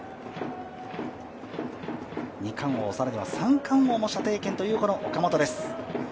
二冠王さらには三冠王も射程圏という岡本です。